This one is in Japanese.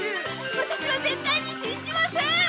ワタシは絶対に信じません！